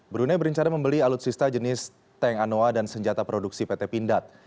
brunei berencana membeli alutsista jenis tank anoa dan senjata produksi pt pindad